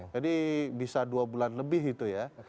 jadi bisa dua bulan lebih itu ya